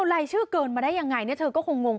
รายชื่อเกินมาได้ยังไงเนี่ยเธอก็คงง